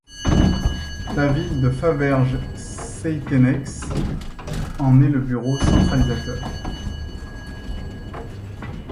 La ville de Faverges-Seythenex en est le bureau centralisateur.